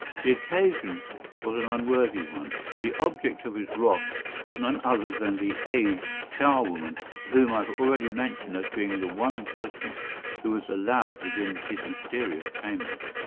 The occasion was an unworthy one, for the object of his wrath was none other than the aged charwoman whom I have already mentioned as being the one person who was allowed within his mysterious chamber.